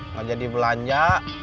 gak jadi belanja